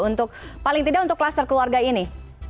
untuk paling tidak untuk kluster keluarga ini